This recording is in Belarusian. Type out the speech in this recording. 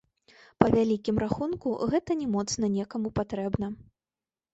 Па вялікім рахунку, гэта не моцна некаму патрэбна.